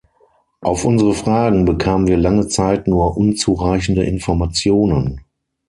Auf unsere Fragen bekamen wir lange Zeit nur unzureichende Informationen.